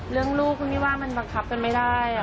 ลูกคุณพี่ว่ามันบังคับกันไม่ได้